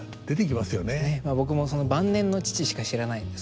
僕も晩年の父しか知らないので。